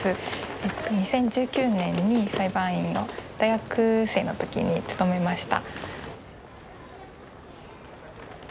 ２０１９年に裁判員を大学生の時に務めました。